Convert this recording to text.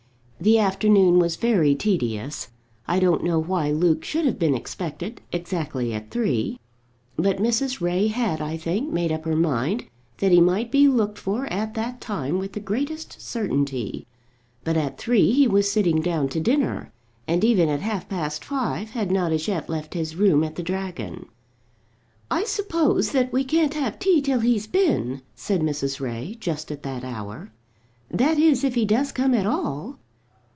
The afternoon was very tedious. I don't know why Luke should have been expected exactly at three; but Mrs. Ray had, I think, made up her mind that he might be looked for at that time with the greatest certainty. But at three he was sitting down to dinner, and even at half past five had not as yet left his room at the "Dragon." "I suppose that we can't have tea till he's been," said Mrs. Ray, just at that hour; "that is, if he does come at all."